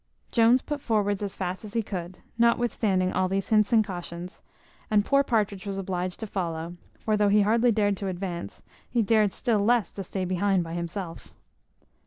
Jones put forwards as fast as he could, notwithstanding all these hints and cautions, and poor Partridge was obliged to follow; for though he hardly dared to advance, he dared still less to stay behind by himself.